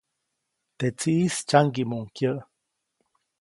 Teʼ tsiʼis tsyaŋgiʼmuʼuŋ kyäʼ.